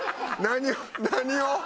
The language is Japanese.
何を？